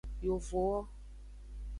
Yovowo.